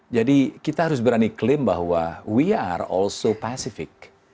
jadi kita harus berani klaim bahwa kita juga pasifik